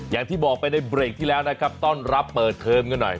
อย่างที่บอกไปในเบรกที่แล้วนะครับต้อนรับเปิดเทอมกันหน่อย